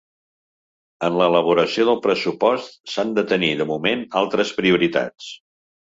En l’elaboració del pressupost s’han de tenir, de moment, altres prioritats.